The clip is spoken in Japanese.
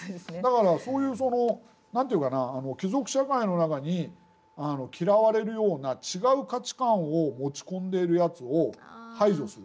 だからそういう何て言うかな貴族社会の中に嫌われるような違う価値観を持ち込んでいるやつを排除する。